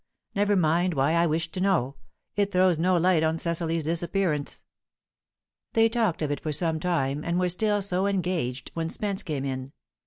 Never mind why I wished to know. It throws no light on Cecily's disappearance." They talked of it for some time, and were still so engaged when Spence came in.